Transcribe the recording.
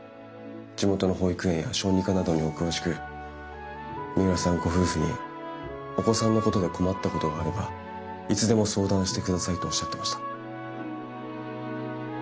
地元の保育園や小児科などにお詳しく三浦さんご夫婦にお子さんのことで困ったことがあればいつでも相談してくださいとおっしゃってました。